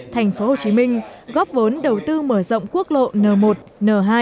thành phố hồ chí minh góp vốn đầu tư mở rộng quốc lộ n một n hai